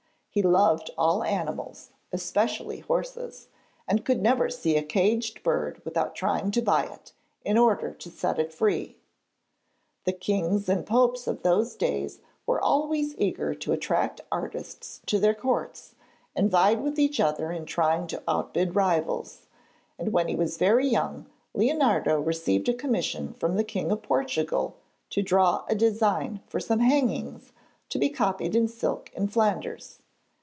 He loved all animals, especially horses, and could never see a caged bird without trying to buy it, in order to set it free. The kings and popes of those days were always eager to attract artists to their courts, and vied with each other in trying to outbid rivals, and when he was very young Leonardo received a commission from the King of Portugal to draw a design for some hangings to be copied in silk in Flanders.